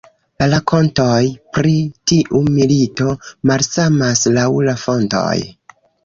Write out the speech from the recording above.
La rakontoj pri tiu milito malsamas laŭ la fontoj.